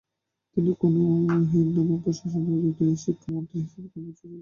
তিনি কোনো এবং হিরানুমা প্রশাসনের অধীনে শিক্ষা মন্ত্রী হিসাবে কর্মরত ছিলেন।